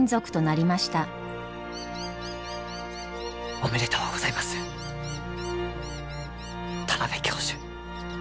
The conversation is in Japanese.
おめでとうございます田邊教授。